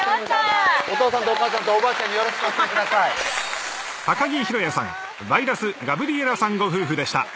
お父さんとお母さんとおばあちゃんによろしくお伝えくださいありがとう！